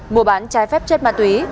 mua bán trái phép chất ma túy